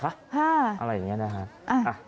อะไรอย่างนี้นะครับ